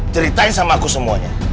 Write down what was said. ceritain sama aku semuanya